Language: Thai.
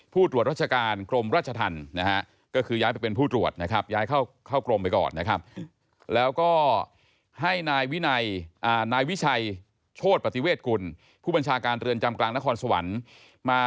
ผู้ตรวจราชการกรมราชธรรมนะฮะ